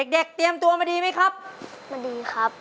เตรียมตัวมาดีไหมครับมาดีครับ